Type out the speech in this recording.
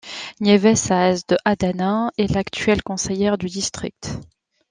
Nieves Sáez de Adana est l'actuelle conseillère du district.